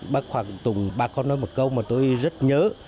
bác hoàng tùng bác có nói một câu mà tôi rất nhớ